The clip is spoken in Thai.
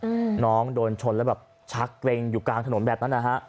อืมน้องโดนชนแล้วแบบชักเกร็งอยู่กลางถนนแบบนั้นนะฮะ